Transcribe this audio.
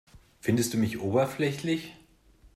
Findest du mich oberflächlich?